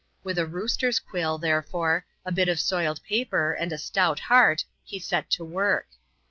With a rooster's quill, there fore, a bit of soiled paper, and a stout heart, he set to work.